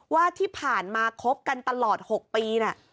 ว่าที่ผ่านมาคบกันตลอด๖ปี